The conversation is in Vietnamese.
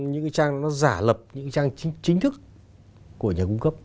những cái trang nó giả lập những trang chính thức của nhà cung cấp